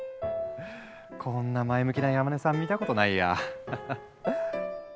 こんな前向きな山根さん見たことないや。